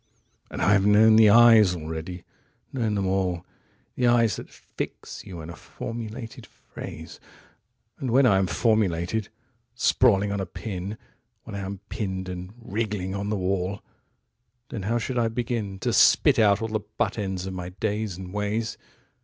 55And I have known the eyes already, known them all 56The eyes that fix you in a formulated phrase,57And when I am formulated, sprawling on a pin,58When I am pinned and wriggling on the wall,59Then how should I begin60To spit out all the butt ends of my days and ways?